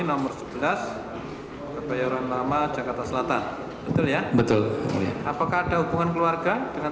nomor sebelas kebayoran lama jakarta selatan betul ya betul apakah ada hubungan keluarga dengan